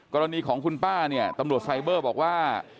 กรณีของคุณป้าเนี่ยตำรวจไซเบอร์บอกว่า